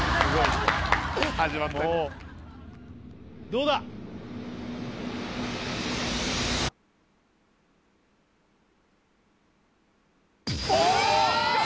どうだ⁉お！